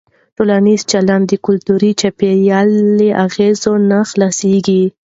ټولنیز چلند د کلتوري چاپېریال له اغېزه نه خلاصېږي.